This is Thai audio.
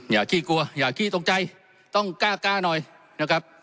ขี้กลัวอย่าขี้ตกใจต้องกล้ากล้าหน่อยนะครับ